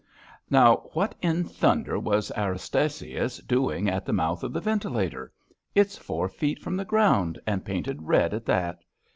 Now what in thunder was Erastasius doing at the mouth of the ventilator? It's four feet from the ground and painted red at that.